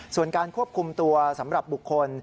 ส่วนการควบคุมตัวสำหรับบุคคล